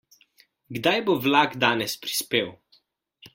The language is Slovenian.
Kdaj bo vlak danes prispel?